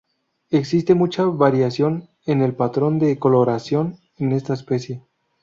Existe mucha variación en el patrón de coloración en esta especie.